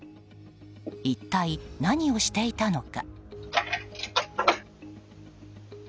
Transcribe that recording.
一体、何をしていたのか。